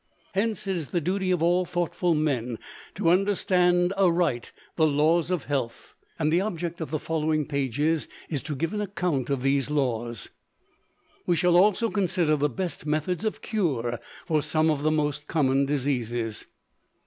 Hence it is the duty of all thoughtful men to understand aright the laws of health, and the object of the following pages is to give an account of these laws. We shall also consider the best methods of cure for some of the most common diseases.